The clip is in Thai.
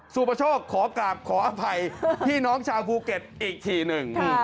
สู่ประโชคขออภัยที่น้องชาวภูเก็ตอีกทีหนึ่ง